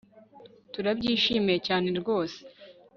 turabyishimiye cyane ryose